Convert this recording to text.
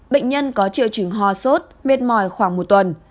bệnh nhân có triệu chứng hòa suốt mệt mỏi khoảng một tuần